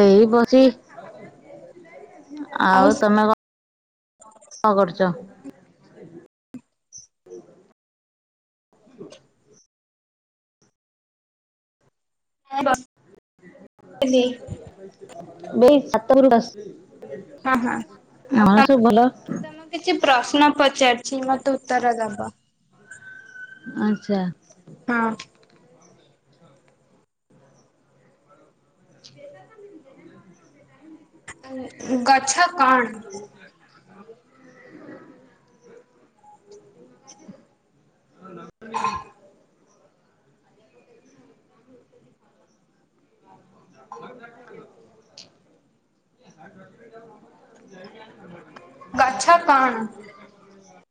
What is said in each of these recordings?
ଏଇ ବସି ଆଉ ତମେ କଣ କଁ କରୁଚ। [inaudible] ନାଇଁ ବସ ଥିଲି। ମୁଁ ଏଇ ଛାତ ଉପରକୁ ଆସ୍ ହଁ ହଁ ଆଉ ତମ ଭଲ ମୁଁ ତମକୁ କିଛି ପ୍ରଶ୍ନ ପଚାରୁ ଛି ମତେ ଉତ୍ତର ଦବ। ଆଚ୍ଛା। ହଁ। [inaudible] [unintelligible] ଗଛ କଣ? [inaudible] [inaudible] ଗଛ କଣ? [unintelligible]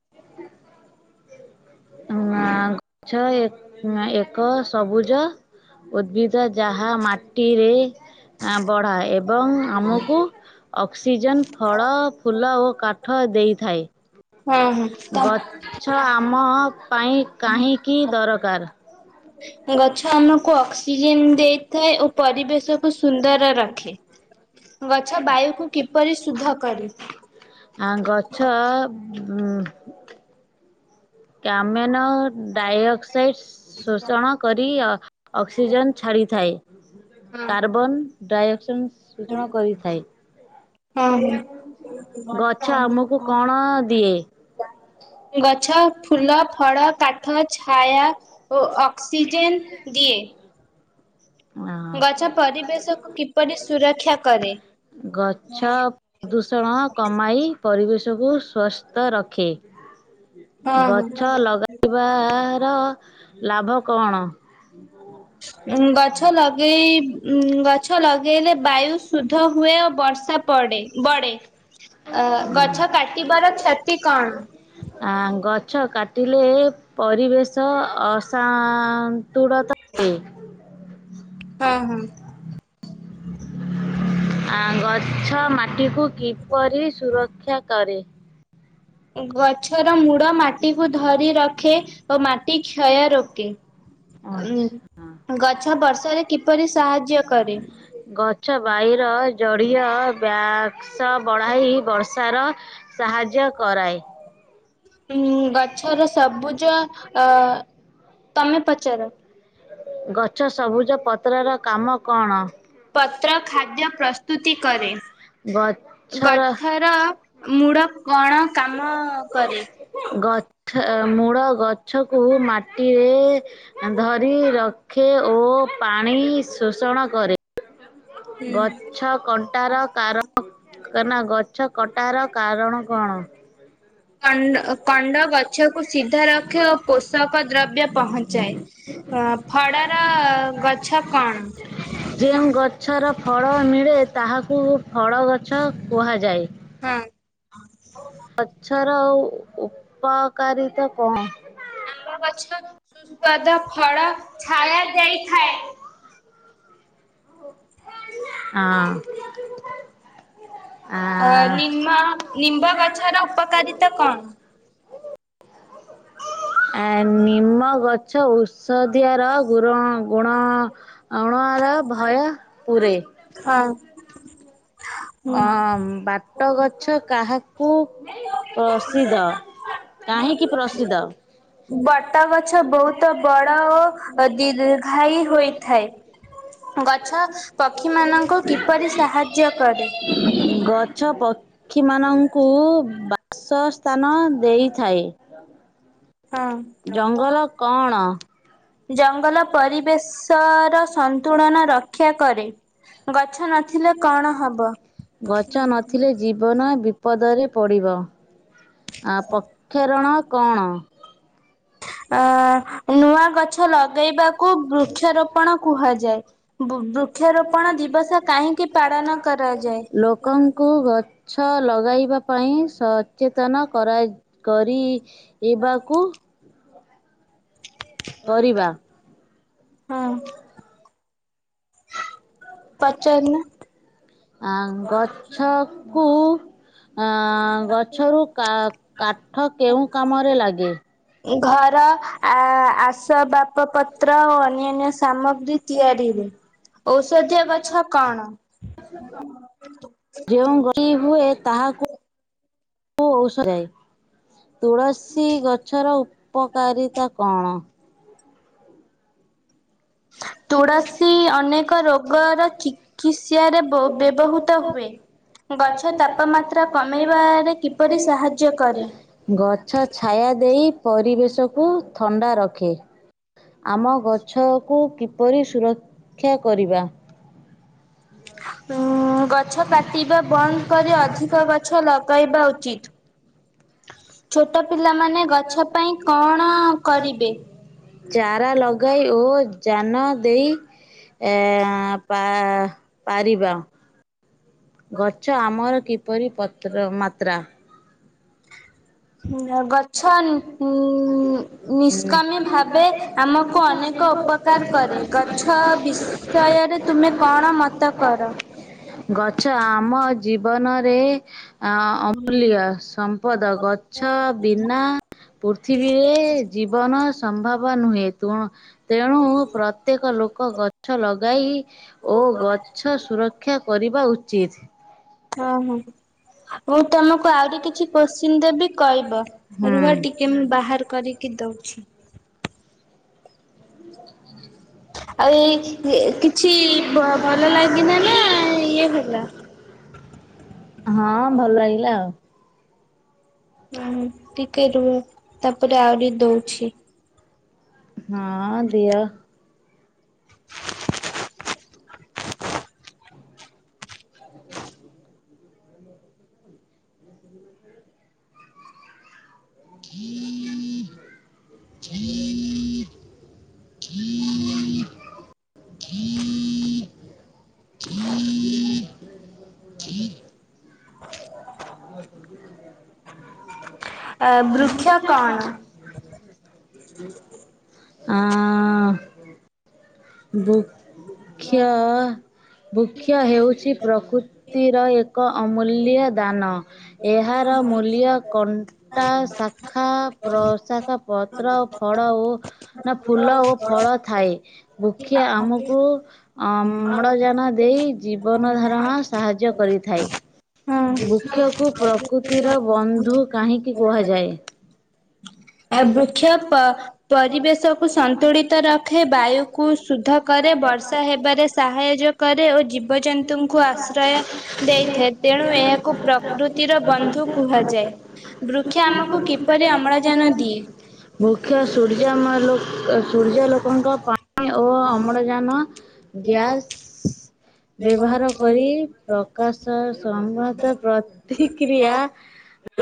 ଉଆଁ ଗଛ ଏ ଏ ଏକ ସବୁଜ ଉଦ୍ଭିଦ ଯାହା ମାଟିରେ ଆଁ ବଢ଼ାଏ ଏବଂ ଆମକୁ ଅକ୍ସିଜେନ୍ ଫଳ ଫୁଲ ଓ କାଠ ଦେଇଥାଏ। ହଁ ହଁ ତ ଗଛ ଆମ ପାଇଁ କାହିଁକି ଦରକାର? ଗଛ ଆମକୁ ଅକ୍ସିଜେନ ଦେଇଥାଏ। ଓ ପରିବେଶ କୁ ସୁନ୍ଦର ରଖେ। ଗଛ ବାୟୁକୁ କିପରି ଶୁଧ କରେ? ଆ ଗଛ ହୁଁ। କି ଆମେ ବନ ଡାଇଅକ୍ସାଇଡ ଶୋଷଣ କରି ଅକ୍ସିଜେନ୍ ଛାଡ଼ିଥାଏ। ହଁ କାର୍ବନ ଡାଇଅକ୍ସ [unintelligible] ସୂଚଣ କରିଥାଏ। ହଁ। ଗଛ ଆମକୁ ହଁ କଣ ଦିଏ? ଗଛ ଫୁଲ ଫଳ କାଠ ଛାୟା ଓ ଅକ୍ସସିଜନ୍ ଦଏ। ଗଛ ପରିବେଶକୁ କିପରି ସୁରକ୍ଷା କରେ ଗଛ ପ୍ରଦୂଷଣ କମାଇ ପରିବେଶକୁ ସୁସ୍ଥ ରଖେ ହଁ ହଁ। ଗଛ ଲଗେଇବା [inaudible] ଗଛ ଗଛ ଲଗେଇ ଗଛ ଲଗେଇଲେ ବାୟୁ ଧ ହୁଏ ଓ ବର୍ଷା ପଡେ ବଢେ ଅ ଗଛ କାଟିବାର କ୍ଷତି କଣ ଗଛ କାଟିଲେ ପରିବେଶ ଅଶନ୍ତୁଳ ହ ହଁ ହୁଁ ଗଛ ମାଟିକୁ କିପରି ସୁରକ୍ଷା କରେ ଗଛର ମୂଡ ମାଟି କୁ ଧରି ରଖେ ଓ ମାଟି କ୍ଷୟ ରୋକେ ଉ ଗଛ ବର୍ଷାରେ କିପରି ସାହାଯ୍ୟ କରେ ଗଛ ସ ବଢାଇ ବର୍ଷାର ସାହାଯ୍ୟ କରଏ ଉ ଗଛର ସବୁଜ ଅ ତମେ ପଚାର ଗଛ ସବୁଜ ପତ୍ରର କାମ କଣ? ପତ୍ର ଖାଦ୍ୟ ପ୍ରସ୍ତୁତି କରେ ଗଛର ଗଛର ମୂଳ କଣ? କାମ କରେ? ଗଛ ମୂଳ ଗଛକୁ ମାଟିରେ ଧରି ରଖେ ଓ ପାଣି ଶୋଷଣ କରେ। ହୁଁ। ଗଛ କ [inaudible] କଣ୍ଡ କଣ୍ଡ ଗଛକୁ ସିଧା ରଖେ ଓ ପୋଷକ ଦ୍ରବ୍ୟ ପହଞ୍ଚାଏ ଅ ଫଳର ଗଛ କଣ ଯେଉଁ ଗଛର ଫଳ ମିଳେ ତାହାକୁ ଫଳ ଗଛ କୁହାଯାଏ। ହଁ ପଛର ଆଉ ଉପକାରିତା କଣ? ଆମ୍ବ ଗଛ ସୁସ୍ୱାଦ ଫଳ ଛାୟା ଦେଇଥାଏ। ହଁ। ଅ ନିମ୍ ନିମ୍ବ ଗଛର ଉପକାରିତା କଣ? ଆ ନିମ ଗଛ ଉ ଷଦିଆର ଗୁର ଗୁଣ [inaudible] ଅଣୁଆର ଭୟ ପୁରେ ହଁ ହୁଁ। ଅ ବାଟ ଗଛ କାହା କୁ ପ୍ରସିଦ୍ଧ? ବଟ ଗଛ ବହୁତ ବଡ ଓ ଦୀର୍ଘାୟୀ ହୋଇଥାଏ ଗଛ ପକ୍ଷୀ ମାନଙ୍କୁ କିପରି ସାହାଯ୍ୟ କରେ ଗଛ ପକ୍ଷୀ ମାନଙ୍କୁ ବଶ ସ୍ଥାନ ଦେଇଥାଏ ହଁ ଜଙ୍ଗଲ କଣ? ଜଙ୍ଗଲ ପରିବେଶ ର ସନ୍ତୁଳନ ର ରକ୍ଷା କରେ ଗଛ ନଥିଲେ କଣ ହବ? ଗଛ ନଥିଲେ ଜୀବନ ବିପଦରେ ପଡ଼ିବ ଆ ପକ୍ଷରଣ କଣ ଆ ନୂଆ ଗଛ ଲଗେଇବାକୁ ବୃକ୍ଷରୋପଣ କୁହାଯାଏ। ବୃକ୍ଷରୋପଣ ଦିବସ କାହିଁକି ପାଳନ କରାଯାଏ? ଲୋକଙ୍କୁ ଗଛ ଲଗାଇବା ପାଇଁ ସଚେତନ କରା କରିବାକୁ କରିବା ହଁ ପଚାରୁନ ଆଁ ଗଛକୁ ଗଛରୁ କା କାଠ କେଉଁ କାମରେ ଲାଗେ ଘର ଆ ଆସ ବାପ ପ ପତ୍ର ଓ ଅନ୍ୟାନ୍ୟ ସାମଗ୍ରୀ ତିଆରିରେ ଔଷଧୀୟ ଗଛ କଣ? ଯେଉଁ ଗତି ହୁଏ ତାହାକୁ ହୁ ଓଷ ଯାଇ ତୁଳସୀ ଗଛର ଉପକାରିତାକୁ କଣ ତୁଳସୀ ଅନେକ ରୋଗର ଚିକିତ୍ସାରେ ବ୍ୟବହୃତ ହୁଏ ଗଛ ତାପମାତ୍ରା କମେଇବାରେ କିପରି ସାହାଯ୍ୟ କରେ? ଗଛ ଛାୟା ଦେଇ ପରିବେଶକୁ ଥଣ୍ଡା ରଖେ ଆମ ଗଛ କୁ କି ପରି ସୁରକ୍ଷା କରିବା ଗଛ କାଟିବା ବନ୍ଦ କରି ଅଧିକ ଗଛ ଲଗାଇବା ଉଚିତ୍ ହ [unintelligible] ଛୋଟ ପିଲାମାନେ ଗଛ ପାଇଁ କଣ କରିବେ? ଚାରା ଲଗାଇ ଓ ଯାନ ଦେଇ ଏ ଆ ପା ପାରିବା ଗଛ ଆମର କିପରି ପତ୍ର ମାତ୍ରା ହୁଁ। ଗ ଗଛ ଉ ନିଷ୍କାମି ଭାବେ ଆମକୁ ଅନେକ ଉପକାର କରେ। ଗଛ ବିଷୟରେ ତୁମେ କଣ ମତ କର? ରେ ଅ ଅମୂଲ୍ୟ ସମ୍ପଦ ଗଛ ବି। ନା ପୃଥିବୀରେ ଜୀବନ ସମ୍ଭବ। ୁ ହେ ତୁଣ [unintelligible] ତେଣୁ ପ୍ରତ୍ୟେକ ଲୋକ ଗଛ ଲଗେଇ ାଇ [inaudible] ଓ ଗଛ ସୁରକ୍ଷା କରିବା ଉଚିତ୍। ହଁ ହଁ ହୁ। ମୁଁ ତମକୁ ଆହୁରି କିଛି କ୍ଵେଶ୍ଚିନ ଦେବି କହିବ ହୁଁ ରୁହ ଟିକେ, ମୁଁ ବାହାର କରିକି ଦଉଛି। ଆଉ ହୁଁ ଏଇ କିଛି ଭଲ ଲାଗିଲା ନା [inaudible] [inaudible] ଇଏ ହେଲା? ହଁ ଭଲ ଲାଗିଲା ଆଉ। ହ। ଟିକେ ରୁ ତାପରେ ଆହୁରି ଦଉଛି। ହଁ ଦିଅ। ହ [inaudible] ଆ ବୃକ୍ଷ କଣ? ଆଉଁ। ବୃକ୍ଷ ବୃକ୍ଷ ହେଉଛି ପ୍ରକୃତି। ତେର ଏକ [inaudible] ଏକ ଅମୂଲ୍ୟ ଦାନ। ଏହାର ମୂଲ୍ୟ କନ। ଟା ସା ଖା ପ୍ରସାଖା ପତ୍ର, ଫଳ ଓ ନା ଫୁଲ ଓ ଫଳ ଥାଏ। ବୁକ୍ଷିଆ ଆମକୁ ଅମ୍ଳଜାନ ଦେଇ ଜୀବନ ଧାରଣ ସାହାଯ୍ୟ କରିଥାଏ। ହଁ। ବୃକ୍ଷକୁ ପ୍ରକୃତିର ବନ୍ଧୁ କାହିଁକି କୁହାଯାଏ? ବୃକ୍ଷ ପରିବେଶକୁ ସନ୍ତୁଳିତ ରଖେ ବାୟୁକୁ ଶୁଧ କରେ ବର୍ଷା ହେବାରେ ସାହାଯ୍ୟ କରେ ଓ ଜୀବଜନ୍ତୁଙ୍କୁ ଆଶ୍ରୟ ଦେଇଥାଏ ତେଣୁ ଏହାକୁ ପ୍ରକୃତିର ବନ୍ଧୁ କୁହାଯାଏ ବୃକ୍ଷ ଆମକୁ କିପରି ଅମ୍ଳଜାନ ଦିଏ? ବୁକ୍ଷ ସୂର୍ଯ୍ୟ ସୂର୍ଯ୍ୟଲୋକଙ୍କ ପାଇଁ ଓ ଅମ୍ଳଜାନ ଗ୍ୟାସ୍ [inaudible] ବ୍ୟବହାର କରି ପ୍ରକାଶ ପ୍ରତିକ୍ରିୟା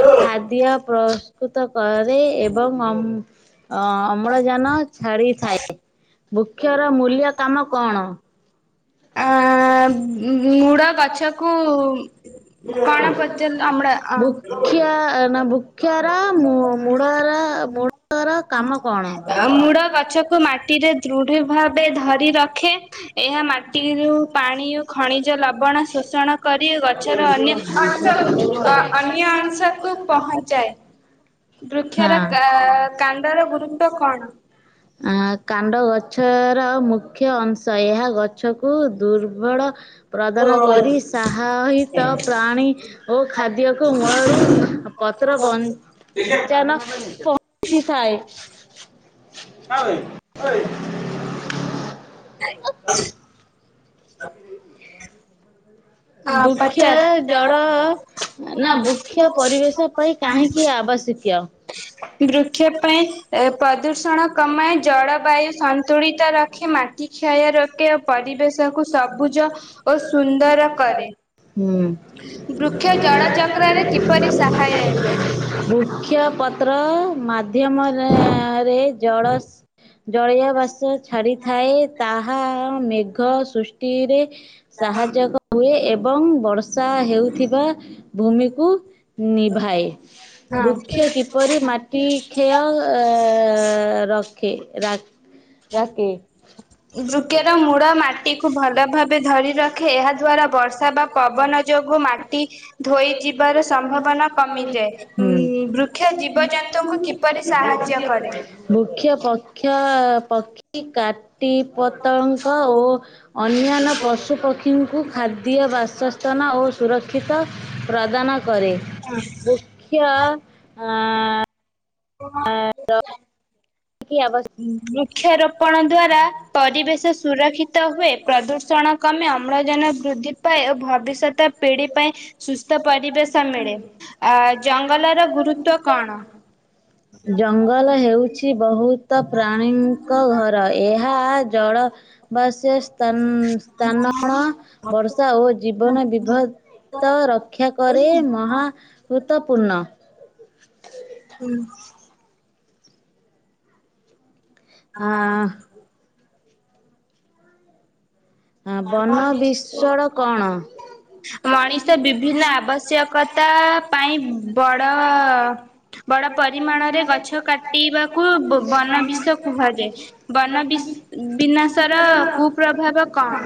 ଖାଦ୍ୟ ପ୍ରସ୍ତୁତ କର ରେ ଏବଂ ଅମ ଅ ଅମ୍ଳଜାନ ଛାଡିଥାଏ। ବୃକ୍ଷର ମୂଲ୍ୟ କାମ କଣ? ଅ ମୁଡ଼ ଗଛକୁ କଣ ପଚାରିଲ ଅମଡ଼ା ବୃକ୍ଷ ବୃକ୍ଷର ମୂଳର ମୂଳର କାମ କଣ? ମୁଡ଼ ଗଛକୁ ମାଟିରେ ଦୃଢେ ଭାବେ ଧରି ରଖେ ଏହା ମା ଇ। ଖଣିଜ ଲବଣ ଶୋଷଣ କରି ଗଛର ଅନ୍ୟ ଅ ଅନ୍ୟ ଅଂଶକୁ ପହଞ୍ଚାଏ। ବୃକ୍ଷର କା କାଣ୍ଡର ହଁ। ଗୁରୁତ୍ୱ କଣ? ଆଁ, କାଣ୍ଡ ଗଛର ମୁଖ୍ୟ ଅଂଶ ଏହା ଗଛକୁ ଦୁର୍ବଳ ପ୍ରଦାନ କରି ସାହା ହିତ ପ୍ରାଣୀ ଓ ଖାଦ୍ୟକୁ ମୂଳରୁ ପତ୍ର ବଞ୍ଚାନ ପହଞ୍ଚିଥାଏ। [inaudible] [inaudible] [inaudible] ହଁ ବୃକ୍ଷ ପଚାର ଜଡ ନା ବୃକ୍ଷ ପରିବେଶ ପାଇଁ କାହିଁକି ଆବଶ୍ୟକୀୟ? ବୃକ୍ଷ ପାଇଁ ପ୍ରଦୂଷଣ କମାଏ ଜଳବାୟୁ ସନ୍ତୁଳିତ ରଖେ ମାଟି କ୍ଷୟ ରୋକେ ଓ ପରିବେଶକୁ ସବୁଜ ଓ ସୁନ୍ଦର କରେ। ହୁଁ। ବୃକ୍ଷ ଜଳ ଚକ୍ରରେ କିପରି ସହାୟକ? ବୃକ୍ଷ, ପତ୍ର [inaudible] ମା ମା ମାଧ୍ୟମରେ ଜଳ ସ୍ ଜଳୀୟ ବାଷ୍ପ ଛାଡିଥାଏ ତାହା ମେଘ ସୃଷ୍ଟି ତି ରେ। ସାହାଯ୍ୟ କ ହୁଏ ଏବଂ ବର୍ଷା ହେଉଥିବା ଭୂମିକୁ ନିଭାଏ ହଁ ବୃକ୍ଷ କିପରି ମାଟି କ୍ଷୟ ର କେ ରା ରାକେ ବୃକ୍ଷର ମୂଳ ମାଟି କୁ ଭଲ ଭାବେ ଧରି ରଖେ ଏହା ଦ୍ଵାରା ବର୍ଷା ବା ପବନ ଯୋଗୁ ମାଟି ଧୋଇ ଯିବାର ସମ୍ଭାବନା କମିଯାଏ ବୃକ୍ଷ ଜୀବଜନ୍ତୁଙ୍କୁ କିପରି ସାହାଯ୍ୟ କରେ କା ଟି ପତଙ୍କ ଓ ଅନ୍ୟାନ୍ୟ ପଶୁପକ୍ଷୀଙ୍କୁ ଖାଦ୍ୟ ବାସ ଓ ସୁରକ୍ଷିତ ପ୍ରଦାନ କରେ ବୃକ୍ଷ ହଁ। ହ ନିହାତି ଆବଶ୍ୟକ। ବୃକ୍ଷରୋପଣ ଦ୍ଵାରା ପରିବେଶ ସୁରକ୍ଷିତ ହୁଏ। ପ୍ରଦୂଷଣ କମେ ଅମ୍ଳଜାନ ବୃଦ୍ଧି ପାଏ ଓ ଭବିଷ୍ୟତ ପିଢି ପାଇଁ ସୁସ୍ଥ ପରିବେଶ ମିଳେ ଆ ଜଙ୍ଗଲର ଗୁରୁତ୍ଵ କଣ ଜଙ୍ଗଲ ହେଉଛି ବହୁତ ପ୍ରାଣୀଙ୍କ ଘର ଏହା ଜ ଓ ବସ୍ ସ୍ଥାନଣ ବର୍ଷା ଓ ଜୀବନ ବିଭତ ରକ୍ଷା କରେ ମହା ମହତ୍ତପୂର୍ଣ୍ଣ। ହ ହଁ। ହଁ ବନ ବିଶ୍ୱାଳ କ'ଣ? ମଣିଷ ବିଭିନ୍ନ ଆବଶ୍ୟକତା ପାଇଁ ବଡ ବଡ ପରିମାଣରେ ଗଛ କାଟିବାକୁ ବନ ବିଷ କୁହାଯାଏ। ବନ ବି ବିନାଶର କୁପ୍ରଭାବ କଣ?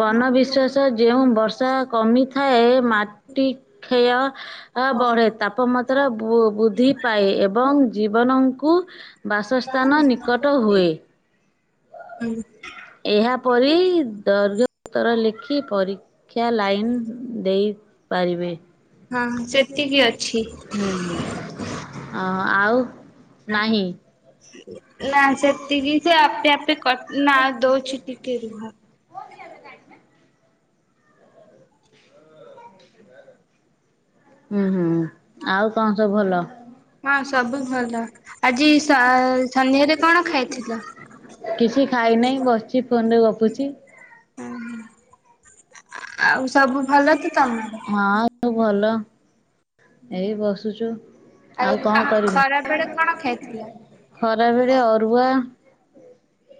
ବନ ବିଶ୍ୱାସ ଯେଉଁ ବର୍ଷା କମି ଥାଏ ମାଟି କ୍ଷୟ ବଢ଼େ ତାପମାତ୍ରା ବୃଦ୍ଧି ପାଏ ଏବଂ ଜୀବନ କୁ। ବାସସ୍ଥାନ ନିକଟ ହୁଏ। ହୁଁ ଏହାପରି। [unintelligible] ଉତ୍ତର ଲେଖି ପରି କ୍ୟା ଲାଇନ୍ ଦେଇ ପାରିବେ। ହଁ ସେତିକି ଅଛି। ହୁଁ ଆ ଆଉ। ନାହିଁ। [unintelligible] ନା ସେତିକି ସେ ଆପେ ଆପେ ନା ଦଉଛି ଟିକେ ରୁହ। ହୁଁ ହୁଁ ଆଉ କଣ ସବୁ ଭଲ? ହଁ ସବୁ ଭଲ। ଆଜି ସ ସନ୍ଧ୍ୟାରେ କଣ ଖାଇଥିଲ? [unintelligible] କିଛି ଖାଇନହିଁ ବସିଛି ଫୋନ ରେ ଗପୁଛି। ଆଉ ହଁ ସବୁ ଭଲ ତ ତମର ସବୁ ଭଲ। ଏଇ ବସୁଛୁ। ଆଉ କଣ କରିବୁ ଖରା ବେଳେ କଣ ଖାଇ ଥିଲ?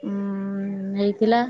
ହୁଁ ହେଇଥିଲା।